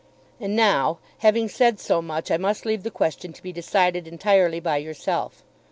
And now, having said so much, I must leave the question to be decided entirely by yourself.